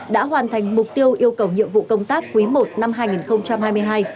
đã hoàn thành mục tiêu yêu cầu nhiệm vụ công tác quý i năm hai nghìn hai mươi hai